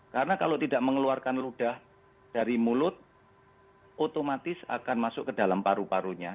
karena kalau tidak mengeluarkan ludah dari mulut otomatis akan masuk ke dalam paru parunya